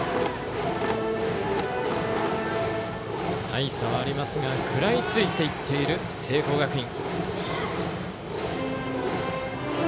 大差はありますが食らいついていっている聖光学院。